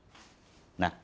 なっ。